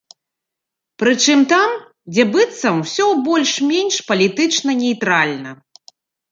Прычым там, дзе быццам усё больш-менш палітычна нейтральна.